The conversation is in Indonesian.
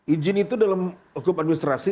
izin itu dalam hukum administrasi